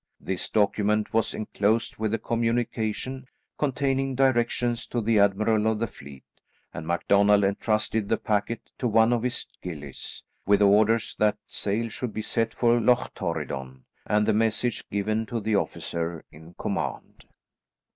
This document was enclosed with a communication, containing directions to the admiral of the fleet, and MacDonald entrusted the packet to one of his gillies, with orders that sail should be set for Loch Torridon, and the message given to the officer in command.